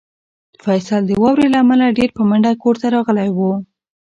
فیصل د واورې له امله ډېر په منډه کور ته راغلی و.